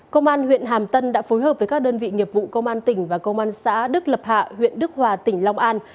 công an huyện hàm tân đã phối hợp với các đơn vị nghiệp vụ công an tỉnh và công an xã đức lập hạ huyện đức hòa tỉnh long an